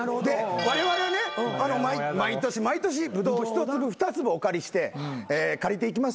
われわれはね毎年毎年ブドウを１粒２粒お借りして借りていきます。